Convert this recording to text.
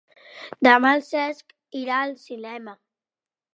Demà en Cesc irà al cinema.